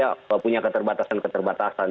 karena tentu saja punya keterbatasan keterbatasan